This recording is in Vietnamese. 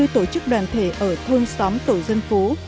hai tám trăm tám mươi tổ chức đoàn thể ở thôn xóm tổ dân phố